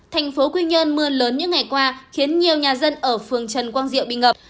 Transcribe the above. thành phố quy nhơn mưa lớn những ngày qua khiến nhiều nhà dân ở phường trần quang diệu bị ngập